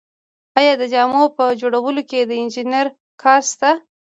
آیا د جامو په جوړولو کې د انجینر کار شته